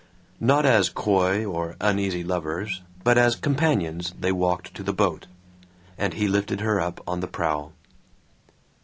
Not as coy or uneasy lovers but as companions they walked to the boat, and he lifted her up on the prow.